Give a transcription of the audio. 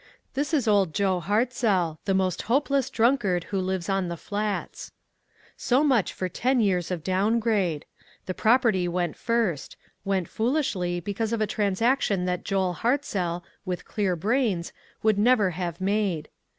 This is Old Joe Hartzell, the most hopeless drunk are who lives on the Flats. So much for ten years of down grade. 1^8 ONE COMMONPLACE DAY. The property went first ; went foolishl}r, be cause of a transaction that Joel Hartzell, with clear brains, would never have made.